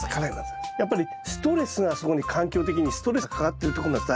やっぱりストレスがそこに環境的にストレスがかかってるってことなんです